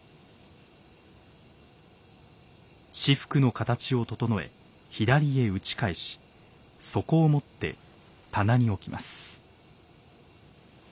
仕服の形を整え左へ打ち返し底を持って棚に置きます。